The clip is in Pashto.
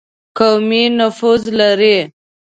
قومي نفوذ لري.